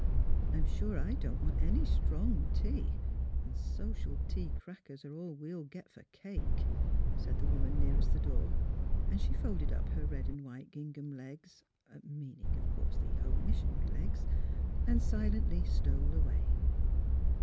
''I'm sure I don't want any strong tea; an' social tea crackers are all we'll get for cake," said the woman nearest the door. And she folded up her red and white gingham legs (meaning, of course, the home missionary legs) and silently stole away.